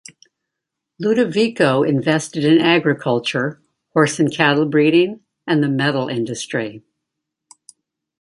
Ludovico invested in agriculture, horse and cattle breeding, and the metal industry.